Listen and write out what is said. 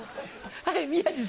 はい。